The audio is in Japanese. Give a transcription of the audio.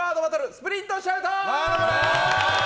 スプリントシャウト！